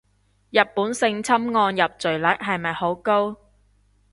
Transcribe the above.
日本性侵案入罪率係咪好高